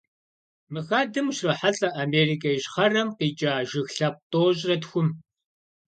Мы хадэм ущрохьэлӀэ Америкэ Ищхъэрэм къикӀа жыг лъэпкъ тӏощӏрэ тхум.